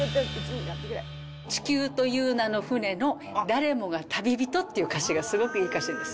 地球という名の船の誰もが旅人っていう歌詞がすごくいい歌詞です。